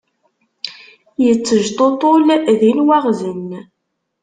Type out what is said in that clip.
Yettejṭuṭul din waɣzen.